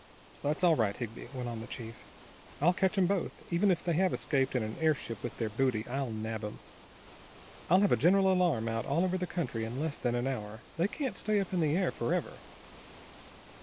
"That's all right, Higby," went on the chief. "I'll catch em both. Even if they have escaped in an airship with their booty, I'll nab 'em. I'll have a general alarm out all over the country in less than an hour. They can't stay up in the air forever."